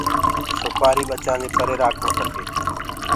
سوپآري ٻچآندي پري رآکڻ کپي۔